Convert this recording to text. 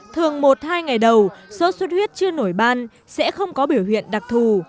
thường một hai ngày đầu sốt xuất huyết chưa nổi ban sẽ không có biểu hiện đặc thù